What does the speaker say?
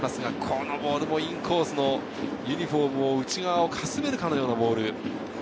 このボールもインコースのユニホームをかすめるかのようなボール。